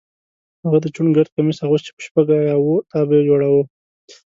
هغه د چوڼ ګرد کمیس اغوست چې په شپږ یا اووه تابه یې جوړاوه.